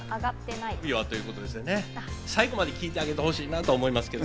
最後まで聞いてあげてほしいなと思いますけど。